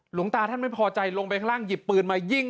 หลวงตาท่านไม่พอใจลงไปข้างล่างหยิบปืนมายิง